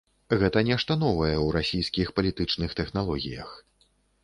Гэта нешта новае ў расійскіх палітычных тэхналогіях.